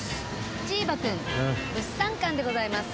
チーバくん物産館でございます。